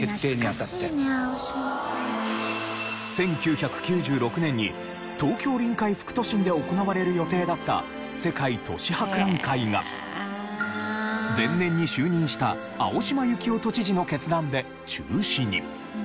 １９９６年に東京臨海副都心で行われる予定だった世界都市博覧会が前年に就任した青島幸男都知事の決断で中止に。